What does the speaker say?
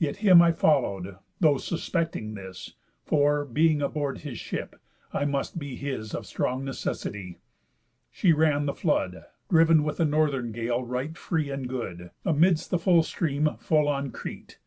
Yet him I follow'd, though suspecting this, For, being aboard his ship, I must be his Of strong necessity. She ran the flood (Driven with a northern gale, right free, and good) Amids the full stream, full on Crete.